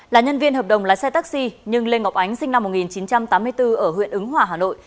là nhân viên hợp đồng lái xe taxi nhưng lê ngọc ánh sinh năm một nghìn chín trăm tám mươi bốn ở huyện ứng hòa hà nội